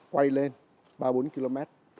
quay lên ba bốn km